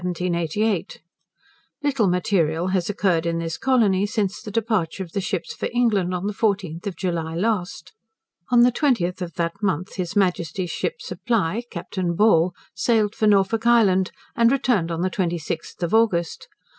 Little material has occurred in this colony since the departure of the ships for England, on the 14th July last. On the 20th of that month His Majesty's ship Supply, Captain Ball, sailed for Norfolk Island, and returned on the 26th August.